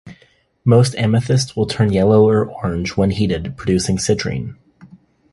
Most amethyst will turn yellow or orange when heated producing citrine.